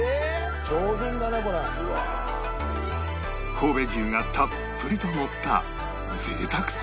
神戸牛がたっぷりとのった贅沢すぎる牛丼